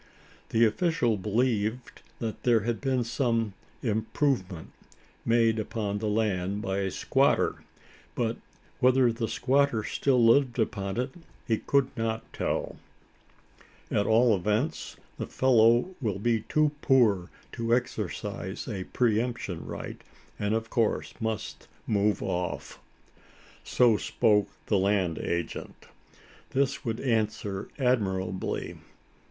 The official believed there had been some "improvement" made upon the land by a squatter; but whether the squatter still lived upon it, he could not tell. "At all events, the fellow will be too poor to exercise the pre emption right, and of course must move off." So spoke the land agent. This would answer admirably.